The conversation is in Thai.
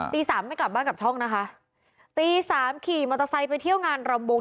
สามไม่กลับบ้านกลับช่องนะคะตีสามขี่มอเตอร์ไซค์ไปเที่ยวงานรำวง